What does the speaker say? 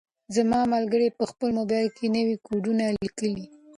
زما ملګری په خپل موبایل کې نوي کوډونه لیکي.